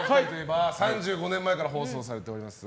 ３５年前から放送されております